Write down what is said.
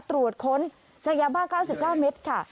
ตรวจค้นเจอยาบ้า๙๙เมตรค่ะ